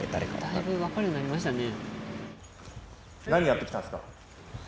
だいぶ分かるようになりましたね。